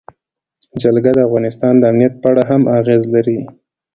جلګه د افغانستان د امنیت په اړه هم اغېز لري.